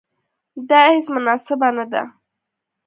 دا هیڅ مناسبه نه ده.